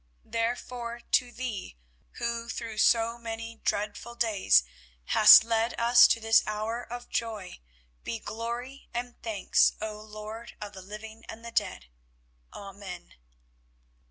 Therefore to Thee, Who through so many dreadful days hast led us to this hour of joy, be glory and thanks, O Lord of the living and the dead. Amen."